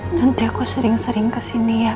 nanti aku sering sering kesini ya